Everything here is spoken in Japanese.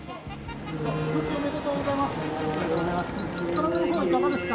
復帰おめでとうございます。